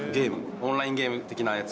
オンラインゲーム的なやつ。